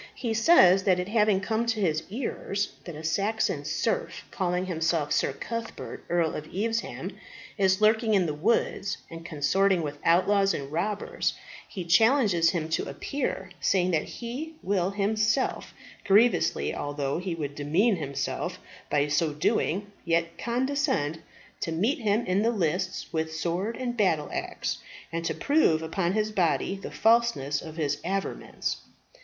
He says that it having come to his ears that a Saxon serf, calling himself Sir Cuthbert, Earl of Evesham, is lurking in the woods and consorting with outlaws and robbers, he challenges him to appear, saying that he will himself, grievously although he would demean himself by so doing, yet condescend to meet him in the lists with sword and battle axe, and to prove upon his body the falseness of his averments.